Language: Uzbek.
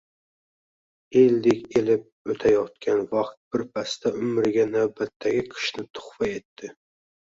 Eldek elib o`tayotgan vaqt birpasda umriga navbatdagi qishni tuhfa etdi